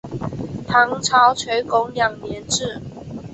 唐朝垂拱二年置。